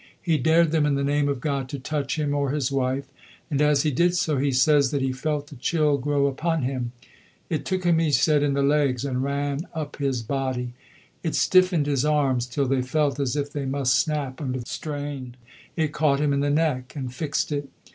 He dared them in the name of God to touch him or his wife, and as he did so he says that he felt the chill grow upon him. It took him, he said, in the legs and ran up his body. It stiffened his arms till they felt as if they must snap under the strain; it caught him in the neck and fixed it.